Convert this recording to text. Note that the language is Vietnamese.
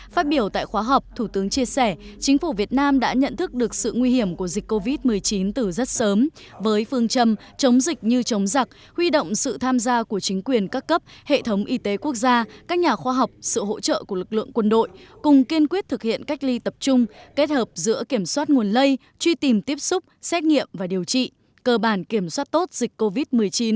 phát biểu tại khóa học thủ tướng chia sẻ chính phủ việt nam đã nhận thức được sự nguy hiểm của dịch covid một mươi chín từ rất sớm với phương châm chống dịch như chống giặc huy động sự tham gia của chính quyền các cấp hệ thống y tế quốc gia các nhà khoa học sự hỗ trợ của lực lượng quân đội cùng kiên quyết thực hiện cách ly tập trung kết hợp giữa kiểm soát nguồn lây truy tìm tiếp xúc xét nghiệm và điều trị cơ bản kiểm soát tốt dịch covid một mươi chín